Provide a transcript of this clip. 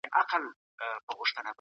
چي هر څوک پر لاري ځي ده ته عیبجن وي